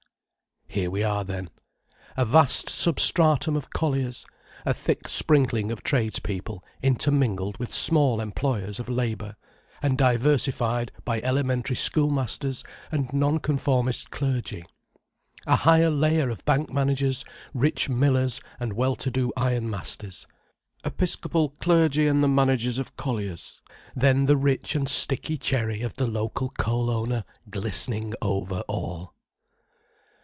Here we are then: a vast substratum of colliers; a thick sprinkling of tradespeople intermingled with small employers of labour and diversified by elementary schoolmasters and nonconformist clergy; a higher layer of bank managers, rich millers and well to do ironmasters, episcopal clergy and the managers of collieries, then the rich and sticky cherry of the local coal owner glistening over all.